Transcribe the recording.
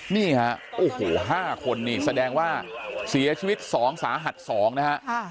นี่ฮะโอ้โห๕คนนี่แสดงว่าเสียชีวิต๒สาหัส๒นะฮะ